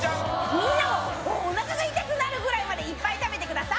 みんなもおなかが痛くなるぐらいまでいっぱい食べてください